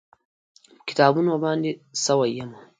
په کتابونو باندې سوی یمه